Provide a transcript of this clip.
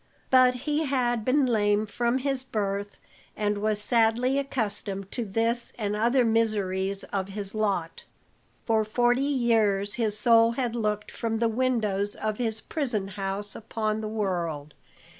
But he had been lame from his birth and was sadly accustomed to this and other miseries of his lot. For forty years his soul had looked from the windows of his prison house upon the world.